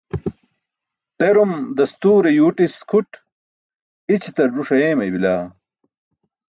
Terum dastuure yuwṭis kʰuṭ, i̇ćiṭar żuṣ ayeemay bila.